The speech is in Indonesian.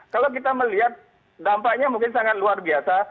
kalau kita melihat dampaknya mungkin sangat luar biasa